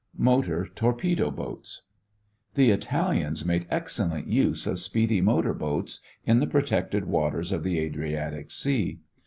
MOTOR TORPEDO BOATS The Italians made excellent use of speedy motor boats in the protected waters of the Adriatic Sea.